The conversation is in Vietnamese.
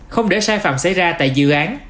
không để sai phạm xảy ra tại dự án